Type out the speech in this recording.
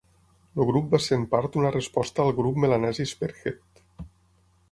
El Grup va ser en part una resposta al Grup Melanesi Spearhead.